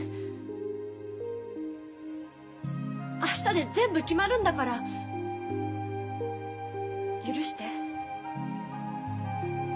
明日で全部決まるんだから許して。